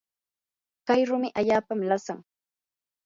kay rumi allaapami lasan.